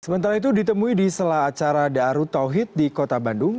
sementara itu ditemui di sela acara darut tauhid di kota bandung